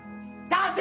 立て！